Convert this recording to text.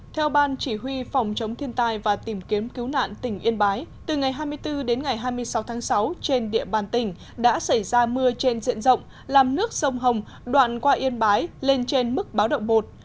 theo ban chỉ huy phòng chống thiên tai và tìm kiếm cứu nạn tỉnh yên bái từ ngày hai mươi bốn đến ngày hai mươi sáu tháng sáu trên địa bàn tỉnh đã xảy ra mưa trên diện rộng làm nước sông hồng đoạn qua yên bái lên trên mức báo động một